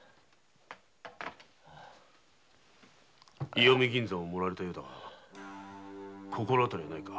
石見銀山を盛られたようだが心当たりはないか？